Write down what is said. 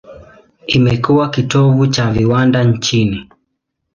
Imekuwa kitovu cha viwanda nchini.